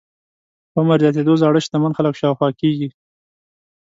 عمر زياتېدو زاړه شتمن خلک شاوخوا کېږي.